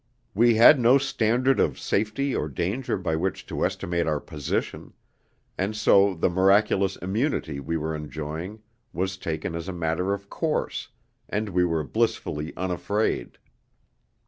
We had no standard of safety or danger by which to estimate our position; and so the miraculous immunity we were enjoying was taken as a matter of course, and we were blissfully unafraid.